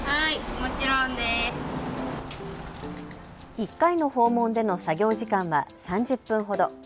１回の訪問での作業時間は３０分ほど。